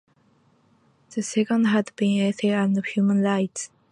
The second has been ethics and human rights.